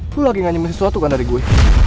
lu lagi gak nyemes sesuatu kan dari gue